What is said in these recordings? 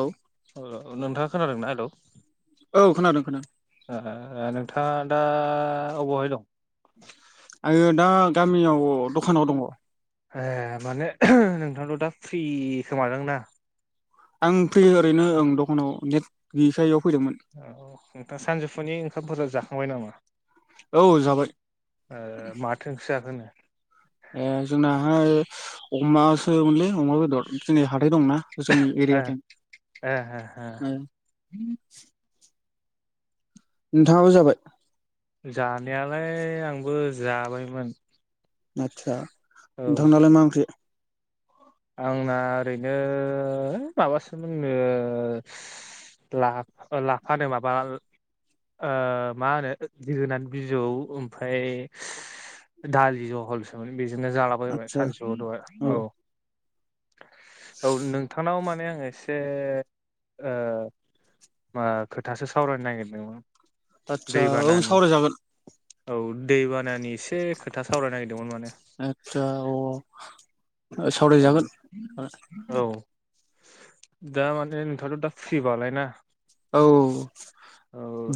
औ। नोंथाङा खोनादोंना हेलौ? औ खोनादों खोनादों। ओ नोंथाङा दा अबावहाय दं? आङो दा गामियाव दखानाव दङ। ए माने नोंथाङाथ' दा फ्रि खोमादां ना? आं फ्रि ओरैनो ओं दखानाव नेट गैयिखाय फैदोंमोन औ नोंथां सानजौफुनि ओंखामफोरा जाखांबाय नामा? औ ओ जाबाय माथो ओंख्रि जाखोनो? ए जोंनाहाय अमासोमोनलै अमा बेदर दिनै हाथाय दंना जोंनि एरियाथिं। ओहो ओ हो। नोंथाङाबो जाबाय? जानायालाय आंबो जाबायमोन। आतसा औ नोंथांनालाय मा ओंख्रि? आंना ओरैनो माबासोमोन ओ ला-लाफानो माबा ओ मा होनो जोगोनार बिजौ ओमफ्राय दालि जहलसोमोन बेजोंनो जालाबायबाय आदसा सानसुआव दहाय औ। औ नोंथांनाव माने आं एसे ओ मा खोथासो सावरायनो नागिरदोंमोन। आदसा औ दैबानानि सावरायजागोन। औ दैबानानि एसे खोथा सावरायनो नागिरदोंमोन माने। ओ औ सावरायजागोन ओ। औ दा माने नोंथाङाथ' दा फ्रिबालाय ना? औ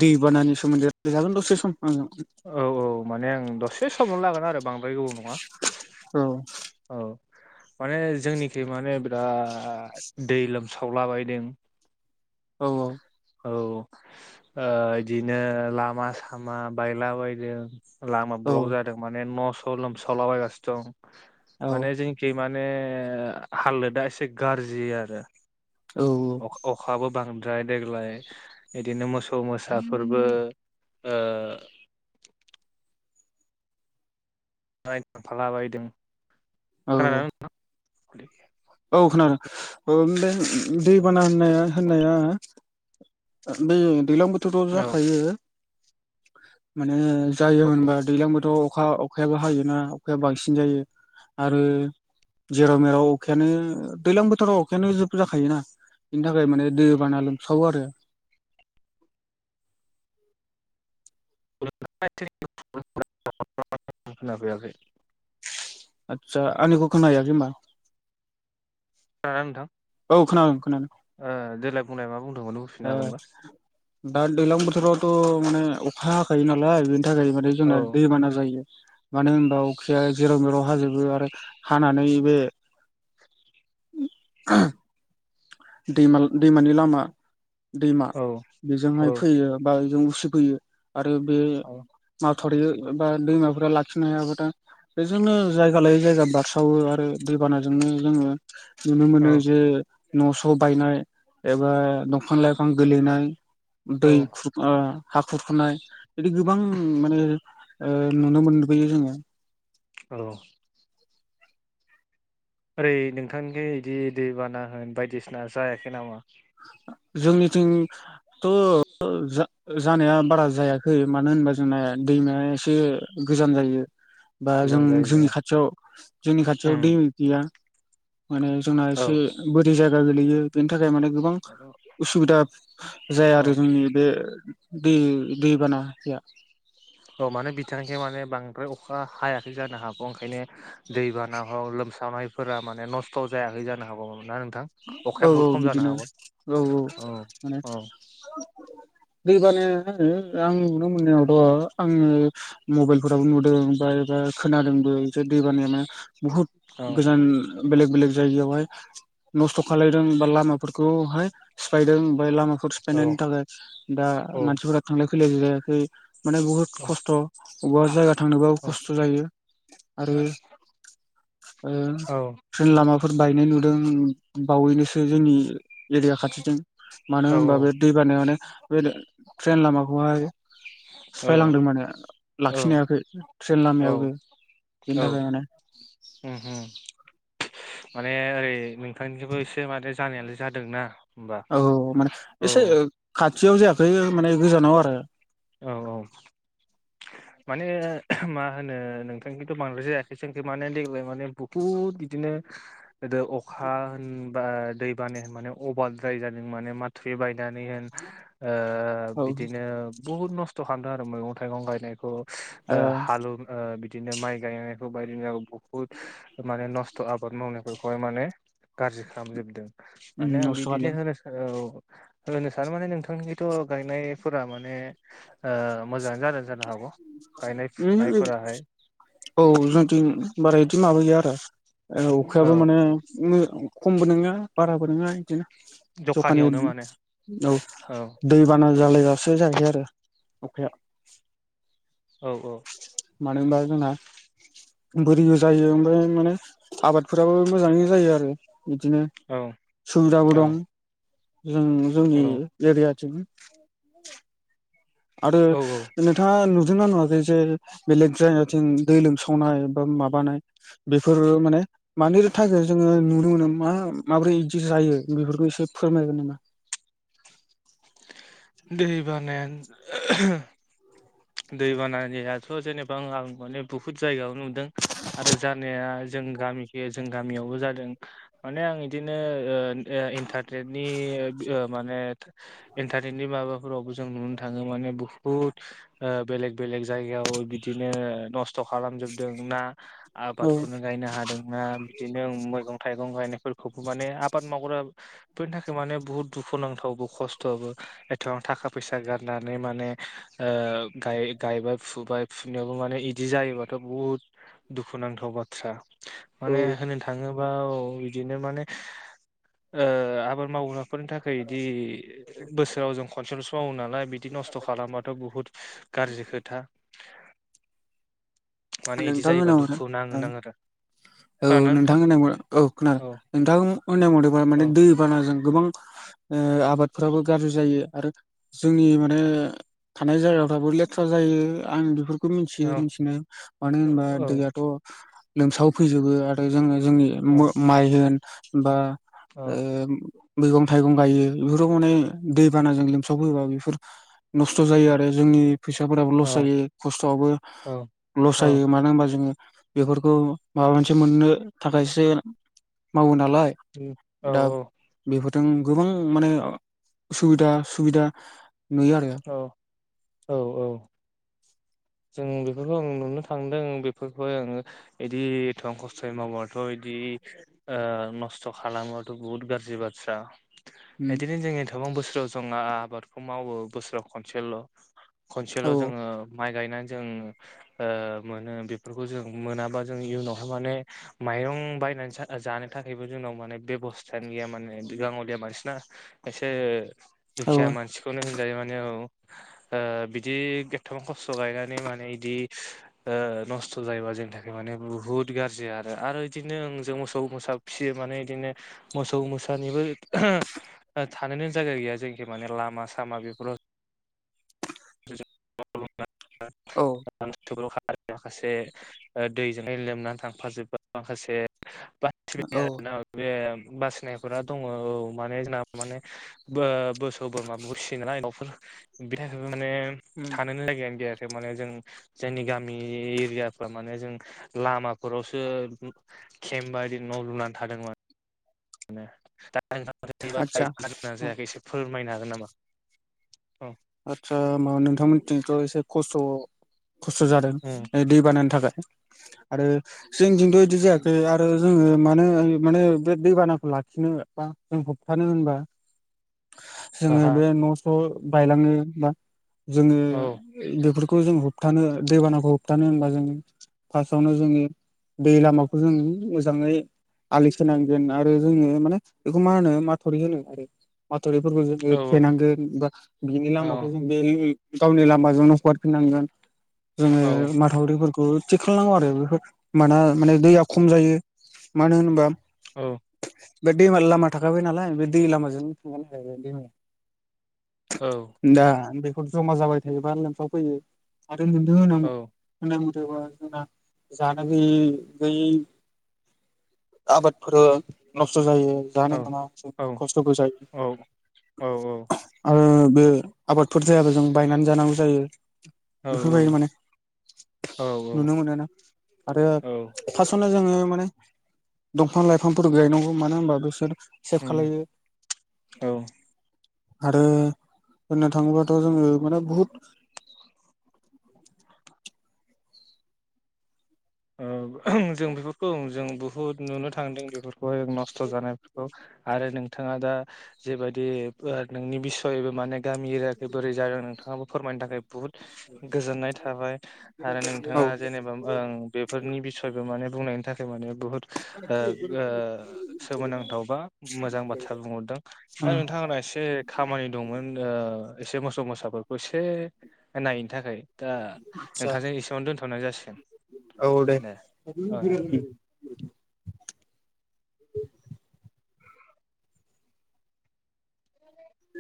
दै बानानि सोमोन्दै जागोन दसे सम। आंजों औ औ माने आं दसे समल' लागोन आरो बांद्राय गोबाव नङा। औ औ। माने जोंनिखै माने बिराद दै लोमसावलाबायदों औ औ। औ ओ इदिनो लामा सामा बायला बायदों। लामा औ ब्लक जादों माने न' स' लोमसावलाबायगासिनो दं औ माने जोंनिखै माने हालोदा एसे गाज्रि आरो। औ अ-अखाबो बां बांद्राय देग्लाय बिदिनो मोसौ मोसाफोरबो ओ [unintelligible] नाय फाला बायदों। औ औ। खुलि गोया। औ खोनादों ओमबे दैबाना होननाया होननाया बे दैज्लां बोथोराव औ जाखायो। [inaudible] माने जायोमोनबा दैज्लां बोथोरावथ' अखा अखायाबो हायोना अखाया बांसिन जायो। आरो जेराव मेराव अखायानो दैज्लां बोथोराव अखायानो जोब जाखायोना? बिनि थाखाय माने दै बाना लोमसावो आरो। [inaudible] [unintelligible] खोनाफैयाखै। आतसा आंनिखौ खोना हैयाखै ओमबा? खोनादों ना नोंथां? औ खोनादों। ओ देेलाय बुंनाय मा बुंदोंमोन ओ बुंफिननो हागोनबा? दा दैज्लां बोथोरावथ' माने अखा हाखायो नालाय बेनि थाखाय माने औ जोंना दैबाना जायो। मानो होनबा अखाया जेराव मेराव हाजोबो आरो हानानै बे [inaudible] दैमा दैमानि लामा दैमा औ औ बेजोंहाय फैयो बा बेजों उसिफैयो आरो बे औ मा थरि बा दैमाफोरा लाखिनो हायाबाथाय बेजोंनो जायगा लायै जायगा बा सावो आरो दैबानाजोंनो जोङो नुनो औ मोनो जे न' स' बायनाय एबा दंफां लाइफां गोलैनाय औ दै खुर हा खुरखुनाय बिदि गोबां माने ओ नुनो मोनबोयो जोङो। औ। ओरै नोंथांनिखि बिदि दैबाना होन बायदिसिना जायाखै नामा? जोंनिथिंथ' जा जानाया बारा जायाखै मानो होनबा जोंना दैमाया एसे गोजान जायो। बा जों गोजान जायो जोंहा जोंनि खाथियाव जोंनि खाथियाव दै गैया। माने जोंना एसे औ बोरि जायगा गोलैयो बेनि थाखाय माने गोबां उसुबिदा जाया आरो औ जोंनि बे बे दैबाना या। औ माने बिथांनिखि माने बां बांद्राय अखा हायाखै जानो हागौ ओंखायनो दैबा हक लोमसावनायफोरा माने नस्थ' जाया जानो हागौ ना? थां औ अखाया औ बहुत खम जानो बिदिनो औ हागौ औ औ। दैबानाया मा मोन्दों? दा आं नुनो मोननायावथ' आंनि मबाइलफोरावबो नुदों बा एबा खोनादोंबो। दैबानाया माने बहुत औ गोजान बेलेग बेलेग जायगायावहाय नस्थ' खालायदों बा लामाफोरखौहाय सिफायदों ओमफ्राय लामा औ सिफायनायनि थाखाय दा मानसिफोरा थांलाय फैलाय जायाखै। माने बहुद खस्थ' बबेबा जायगा थांनोबाबो औ खस्थ' जायो आरो ओ औ ट्रेन लामाफोर बायनाय नुदों बावैनोसो जोंनि एरिया खाथिजों मानो औ होनबा बे दै बानायावनो बे ट्रेन लामाखौहाय सिफायलांदों माने लाखिननो हायाखै ट्रेन औ लामायाबो। बिनि थाखायनो माने। ह ओम। माने ओरै नोंथांनिजोंबो एसे माने जानायालाय जादोंना? होमबा औ माने औ एसे खाथियाव जायाखै माने गोजानाव आरो। औ औ माने मा होनो नोंथां खौन्थ' बांद्रायसो जायाखैसखै माने देग्लाय माने बुहुत बिदिनो। गोदो अखा होनबा दै बाना माने अभारद्राय जादों माने माथो बाय गायनानै होन औ ओ बिदिनो बुहुत नस्थ' खालामदों आरो मैगं थाइगं गायनायखौ। आ हालौ बिदिनो माइ गायनायखौ बायदिनो बुहुत माने नस्थ' आबाद मावनायफोरखौहाय माने गाज्रि खालामजोबदों माने आं नस्थ' बिदिनो खालायदों होनो औ होनो सानो माने नोंथांनिखैथ' गायनायफोरा माने मोजां फुनायफोराहाय औ जोंथि बारा बिदि माबा गैया। आ अखायाबो औ माने खमबो नङा बाराबो नङा बिदिनो। जखानि जखानियावनो माने औ दै बाना जालायबासो जायाखै आरो अखाया औ औ मानोहोनबा जोंना बोरिबो जायो ओमफ्राय माने आबादफोराबो मोजाङै जायो आरो। बिदिनो औ सुबिदाबो औ दं। जों जोंनि औ एरियाथिं आरो औ औ नोंथाङा नुदोंना नुवाखै जे बेलेग जायगाथिं दै लोमसावनाय बा माबानाय बेफोरो माने मानोथो थाखाय जोङो नु मा माबोरै बिदि जायो बेफोरखौ एसे फोरमायगोन नामा? दैबानायानो दै बानायानायथ' जेनेबा आं माने बुहुत जायगायाव नुदों आरो जानाया जों गामिखै जों गामियावबो जादों माने आं बिदिनो इन्टारनेटनि माने इनटारनेटनि नि माबाफोरावबो जों नुनो थाङो माने बुहुथ बेलेग बेलेग जायगायाव बिदिनो। नस्थ' खालामजोबदों ना। औ आबादखौनो गायनो हादोंना बिदिनो मैगं थाइगं गायनायफोरखौबो माने आबाद मावग्रा बेनि थाखाय माने बुहुत दुखुुनांथावबो खस्थ'बो। एथबां थाखा फैसा गारनानै माने गायबाय फुबाय फुनायाव माने बिदि जायोबाथ' बुहुत दुखुनांथाव बाथ्रा माने होननो थाङोबा औ बिदिनो माने आबाद मावनो फोरनि थाखाय इदि बोसोराव जों खनसेलसो मावो नालाय बिदि नस्थ' खालामबाथ' बुहुत गाज्रि खोथा। [unintelligible] माने इदि नोंथां होन जायोबा हरा दुखु नांनो नाङो आरो औ नोंथां होननाय औ खोनादों नोंथां होननाय मा औ माने दैबानाजों गोबां आबादफोराबो गाज्रि जायो आरो जोंनि माने थानाय जायगाफ्राबो लेथ्रा जायो। आं बे मिथियो औ मिथिनाय मानो होनबा दैयाथ' लोमसाव फैजोबो आरो जोङो। जोंनि औ माइ होन बा औ मैगं थाइगं गायो बेफोराव माने दैबानाजों लोमसावबोयोबा बेफोर नस्थ' जायो आरो जोंनि। फैसाफोराबो लस औ जायो खस्थ'आवबो औ लस जायो मानो होनबा जोङो बेफोरखौ माबा मोनसे मोननो थाखायसो मावो नालाय औ दा बेफोर जों गोबां माने सुबिदा सुबिदा नुयो आरो औ औ औ जों बेफोरखौ आं नुनो थांदों बेफोरखौ आङो बिदि एथ' आं खस्थ'यै मावाथ' बिदि ओ नस्थ' खालामाथ' बुहुत गाज्रि बाथ्रा इदिनो जोंनि एथ'बां बोसोराव जोङो आबादखौ मावो बोसोराव खनसेल' औ खनसेल' जोङो माइ गायनानै जों ओ मोनो बेफोरखौ जों मोनाबा जों जोंनावहाय माने माइरं बायनानै जा जानो थाखायबो जोंनाव माने बेबस्थानो गैया माने या मानसिना एसे औ दुखिया मानसिखौनो होनजायो माने औ ओ बिदि एथबां खस्थ' गायनानै माने इदि थ जायोबा जोंनि थाखाय माने बुहुत गाज्रि आरो बिदिनो जों मोसौ मोसा फिसियो माने बिदिनो मोसौ मोसानिबो थानोनो जायगा गैया जोंखि माने लामा सामा बे [unintelligible] [unintelligible] औ आरो माखासे दैजों लोमनानै थांफाजोबा माखासे [unintelligible] औ बासिनायफोरा दङ औ माने जोंना माने बो बोसोरो बोरमा बुरसियो नायनावफोर बि माने थानोनो जायगायानो गैया। माने जों जोंनि गामि एरियाफोर माने जों लामाफोरावसो केम्फ बादि न' लुनानै थादोंमोन। दा [unintelligible] आदसा जादोंना जायाखै एसे फोरमायनो हागोन नामा? औ आतसा माबा नोंथांमोनथिथ' एसे खस्थ' खस्थ' जादों उम बे दै बानानि थाखाय आरो जोंनिथिंथ' इदि जायाखै आरो जोङो मानोे माने बे दैबानाखौ लाखियो। नो बा जों होबथानो होनबा [inaudible] हा जोङो हा बे न' स' बायलाङो बा जोङो औ बेफोर खौ जों होबथानो दैबानाखौ होबथानो होनबा जों फास्टावनो जोङो दै लामाखौ जों मोजाङै आलि खोनांगोन आरो जोङो माने बेखौ मा होनो माथावरि होनो आरोथ रिफोरखौ जोङो औ थेनांगोन बा बिनि औ औ लामाखौ जों बेलि गावनि लामाजोंनो हगारफिननांगोन जोङो औ माथावरिफोरख थिग खालामनांगौ आरो बेफोर माना माने दैया खम जायो मानो होनबा औ बे दैमा लामा थाखाबाय नालाय बे दै लामाजों थांगोन आरो दैमाया औ दा बेफोर जमा जाबाय थायोबा लोमसाव फैयो। आरो [unintelligible] जेब्ला औ जोंना जानो गैयै गैयै। आबादफोरबो नस्थ' जायो। जानो मा खस्थ'खौ जायो। औ औ ओ बे आबादफोर जायाबा जों बायनानै जानांगौ जायो बेफोरबायदि माने। औ नुनो मोनोना आरो औ फास्टावनो जोङो माने दंफां लाइफांफोर गायनांगौ मानो होनबा बिसोर सेभ उम खालायो। औ ओ आरो बुंनो थाङोबाथ' जोङो माने बहुद। [inaudible] ओ जों बेफोर औ जों बुहुत नुनो थांदों बेफोरखौहाय जों नस्थ' जानायफोरखौ आरो नोंथाङा दा जेबायदि बो नोंनि बिसयबो माने गामि एरियाखै बोरै जादों नोंथाङाबो फोरमायनो थाखाय बुहुद गोजोननाय थाबाय आरो नोंथाङा औ जेनेबा ओं बेफोरनि बिसय माने बुंनायनि थाखाय माने बुहुद ओ ओ सोमोनांथाव बा मोजां बाथ्रा बुंहरदों दा नोंथाङा। आंना एसे खामानि दंमोन ओ एसे मोसौ मोसाफोरखौ एसे नायैनो थाखाय। दा आदसा नोंथांजों एसेआवनो दोनथ'नाय जासिगोन। औ दे ओ [unintelligible]